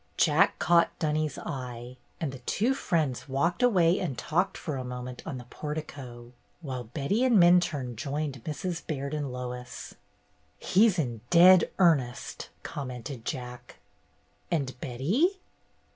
Jack caught Dunny's eye, and the two friends walked away and talked for a moment on the portico, while Betty and Minturne joined Mrs. Baird and Lois. "He 's in dead earnest," commented Jack. "And Betty?"